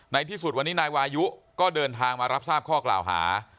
ที่สุดวันนี้นายวายุก็เดินทางมารับทราบข้อกล่าวหา